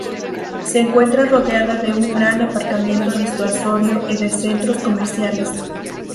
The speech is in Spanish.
Se encuentra rodeada de un gran aparcamiento disuasorio y de centros comerciales.